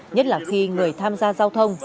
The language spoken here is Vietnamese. nhất là khi người tham gia giao thông